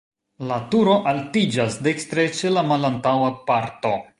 La turo altiĝas dekstre ĉe la malantaŭa parto.